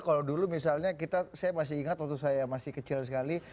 kalau dulu misalnya saya masih ingat waktu saya masih kecil sekali